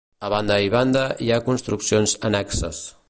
A banda i banda hi ha construccions annexes.